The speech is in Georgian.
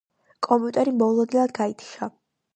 კომპიუტერი მოულოდნელად გაითიშა.